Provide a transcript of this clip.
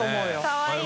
かわいい。